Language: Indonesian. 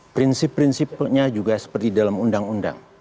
prinsip prinsipnya juga seperti dalam undang undang